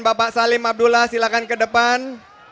bapak salim abdullah silahkan ke depan